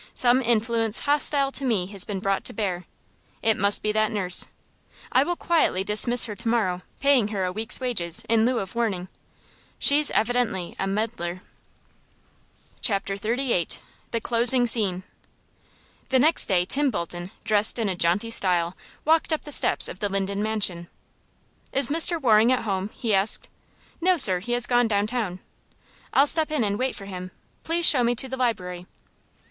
"Some influence hostile to me has been brought to bear. It must be that nurse. I will quietly dismiss her to morrow, paying her a week's wages, in lieu of warning. She's evidently a meddler." Chapter XXXVIII. The Closing Scene. The next day Tim Bolton, dressed in a jaunty style, walked up the steps of the Linden mansion. "Is Mr. Waring at home?" he asked. "No, sir; he has gone downtown." "I'll step in and wait for him. Please show me to the library."